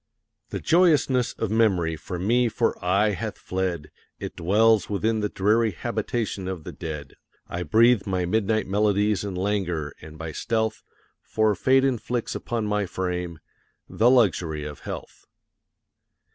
The joyousness of Memory from me for aye hath fled; It dwells within the dreary habitation of the dead; I breathe my midnight melodies in languor and by stealth, For Fate inflicts upon my frame the luxury of health.